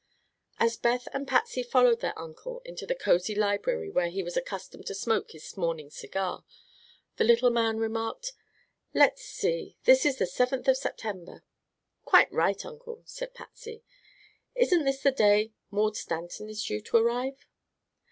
As Beth and Patsy followed their uncle into the cosy library where he was accustomed to smoke his morning cigar, the little man remarked: "Let's see; this is the seventh of September." "Quite right, Uncle," said Patsy. "Isn't this the day Maud Stanton is due to arrive?"